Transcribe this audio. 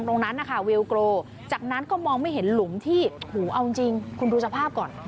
ตรงนั้นนะคะเวลโกรจากนั้นก็มองไม่เห็นหลุมที่หูเอาจริงคุณดูสภาพก่อน